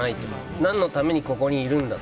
何のためにここにいるんだと。